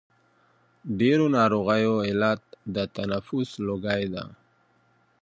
ډېرو ناروغیو علت د تنفس لوګی دی.